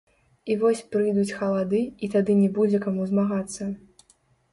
І вось прыйдуць халады, і тады не будзе каму змагацца.